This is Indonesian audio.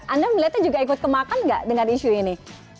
anda melihatnya juga ikut kemakan nggak dengan isu ini